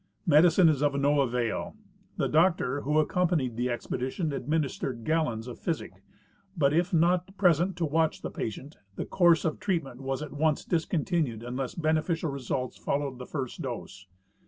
Medicine is of no avail. . The doctor Avho accompa nied the expedition administered gallons of physic, but if not present to watch the patient the course of treatment was at once discontinued unless beneficial results followed the first dose.